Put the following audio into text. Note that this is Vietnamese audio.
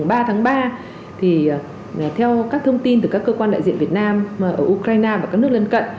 cho đến trưa ngày ba tháng ba theo các thông tin từ các cơ quan đại diện việt nam ở ukraine và các nước lân cận